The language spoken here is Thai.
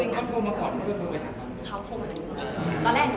นางก็เริ่มแล้ว